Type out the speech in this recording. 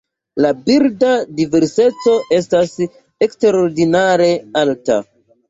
La birda diverseco estas eksterordinare alta.